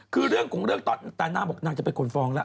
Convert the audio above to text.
คือเรื่องของเรื่องตอนแต่นางบอกนางจะเป็นคนฟ้องแล้ว